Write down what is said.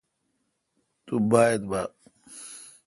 تو با اعبار ۔